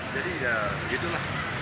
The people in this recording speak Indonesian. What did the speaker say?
jadi ya gitu lah